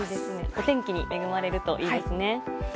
お天気に恵まれるといいですね。